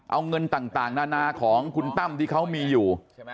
เอาเงินต่างนานาของคุณตั้มที่เขามีอยู่